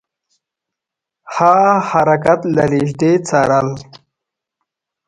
هغه حرکات له نیژدې څارل.